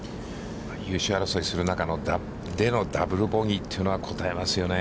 優勝争いをする中でのダブル・ボギーというのは、こたえますよね。